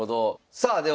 さあでは！